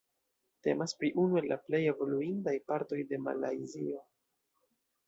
Temas pri unu el la plej evoluintaj partoj de Malajzio.